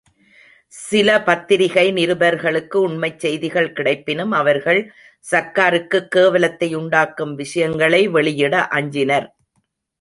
சில பத்திரிகை நிருபர்களுக்கு உண்மைச் செய்திகள் கிடைப்பினும் அவர்கள் சர்க்காருக்குக் கேவலத்தையுண்டாக்கும் விஷயங்களை வெளியிட அஞ்சினர்.